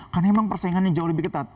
karena memang persaingannya jauh lebih ketat